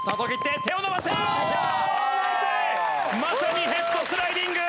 まさにヘッドスライディング！